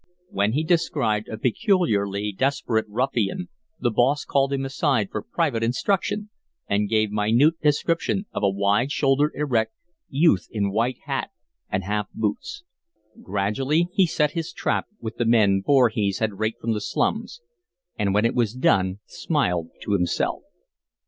Whenever he descried a peculiarly desperate ruffian the boss called him aside for private instruction and gave minute description of a wide shouldered, erect, youth in white hat and half boots. Gradually he set his trap with the men Voorhees had raked from the slums, and when it was done smiled to himself.